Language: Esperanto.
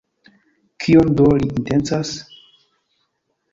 Kion do li intencas?